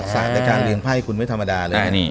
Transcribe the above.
ทักษะแต่การเรียนไพ่คุณไม่ธรรมดาเลย